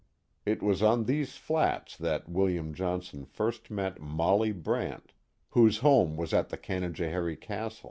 It was on these flats that William Johnson first met Molly Brant (whose home was at the Canajoharie Castle).